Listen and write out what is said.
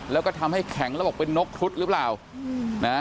แล้วก็ทำให้แข็งแล้วบอกเป็นนกครุฑหรือเปล่านะ